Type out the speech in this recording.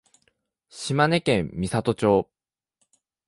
島根県美郷町